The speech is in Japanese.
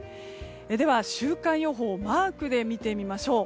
では、週間予報マークで見てみましょう。